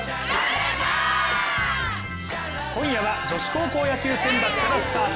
今夜は女子高校野球選抜からスタート。